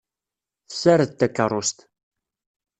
Tessared takeṛṛust.